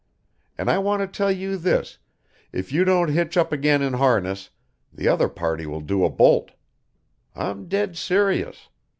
And I want to tell you this, if you don't hitch up again in harness, the other party will do a bolt. I'm dead serious.